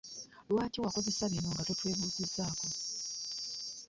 Lwaki wakoze bino nga totwebuuzizaako?